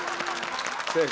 正解。